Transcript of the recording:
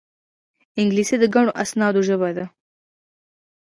انګلیسي د ګڼو اسنادو ژبه ده